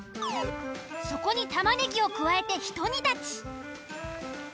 そこにタマネギを加えてひと煮立ち。